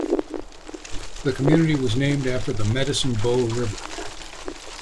The community was named after the Medicine Bow River.